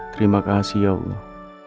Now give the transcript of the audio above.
terima kasih ya allah